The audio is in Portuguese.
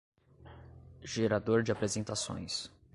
Gerador de apresentações.